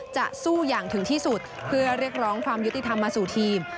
จะสู้อย่างถึงที่สุดเพื่อเรียกร้องความยุติธรรมมาสู่ทีม